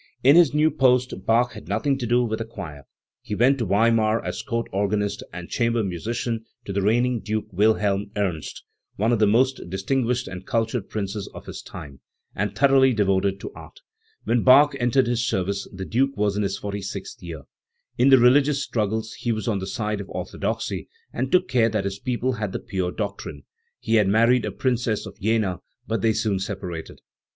In his new post Bach had nothing to do with a choir; he went to Weimar as Court organist and chamber musician to the reigning Duke Wilhelm Ernst, one of the most distinguished and cultured princes of his time, and thor oughly devoted to art. When Bach entered his service the Duke was in his forty sixth year. In the religious struggles he was on the side of orthodoxy, and took care that his people had the pure doctrine. He had married a Princess of Jena, but they soon separated.